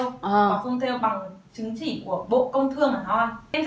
và phương theo bằng chứng chỉ của bộ công thương là không ạ